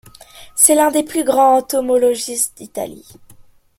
C’est l’un des plus grands entomologistes d’Italie.